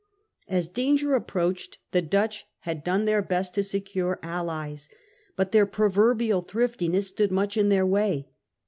As danger approached, the Dutch had done their best to secure allies. But their proverbial thriftiness stood much in their way.